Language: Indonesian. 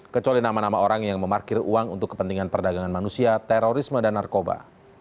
kecuali nama nama orang yang memarkir uang untuk kepentingan perdagangan manusia terorisme dan narkoba